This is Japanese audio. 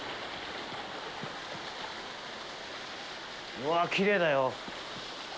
うわぁ、きれいだよ！